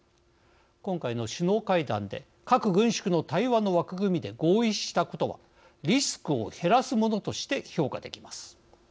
今回の首脳会談で核軍縮の対話の枠組みで合意したことはリスクを減らすものとして評価できます。